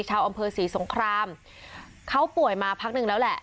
ชาวอำเภอศรีสงครามเขาป่วยมาพักหนึ่งแล้วแหละ